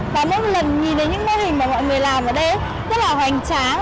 và mỗi một lần nhìn đến những mô hình mà mọi người làm ở đây rất là hoành tráng